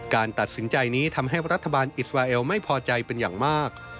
การตัดสินใจนี้ทำให้รัฐบาลอิสราเอลไม่พอใจเป็นอย่างมาก